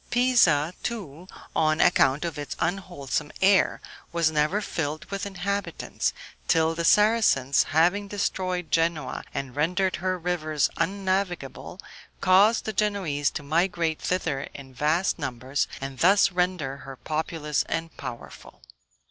Pisa, too, on account of its unwholesome air, was never filled with inhabitants, till the Saracens, having destroyed Genoa and rendered her rivers unnavigable, caused the Genoese to migrate thither in vast numbers, and thus render her populous and powerful.